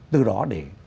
từ đó để